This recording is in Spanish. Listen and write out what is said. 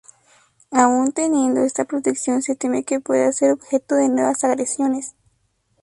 Aun teniendo esta protección se teme que pueda ser objeto de nuevas agresiones.